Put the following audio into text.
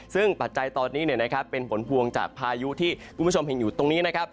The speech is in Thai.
ซึ่งปัจจัยตอนนี้เป็นผลพวงจากพายุที่คุณผู้ชมเห็นอยู่ตรงนี้นะครับ